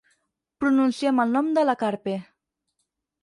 Pronunciem el nom de la Carpe.